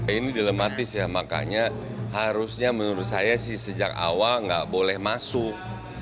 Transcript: ini dilematis ya makanya harusnya menurut saya sih sejak awal nggak boleh masuk